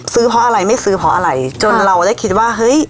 เพราะอะไรไม่ซื้อเพราะอะไรจนเราได้คิดว่าเฮ้ย